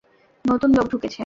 নতুন লোক ঢুকেছে।